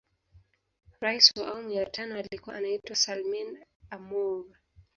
Rais wa awamu ya tano alikuwa anaitwa Salmin Amour